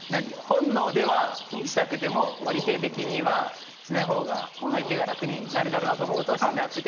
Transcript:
本能ではしたくても理性的にはしない方が相手が楽になるだろうなって思うとしなくていい。